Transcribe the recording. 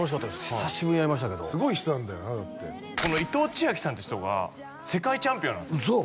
久しぶりにやりましたけどすごい人なんだよなだってこの伊藤千秋さんって人が世界チャンピオンなんですよ嘘！？